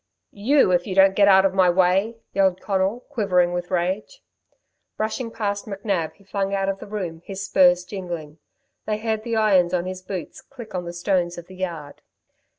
"You, if you don't get out of my way," yelled Conal, quivering with rage. Brushing past McNab, he flung out of the room, his spurs jingling. They heard the irons on his boots click on the stones of the yard.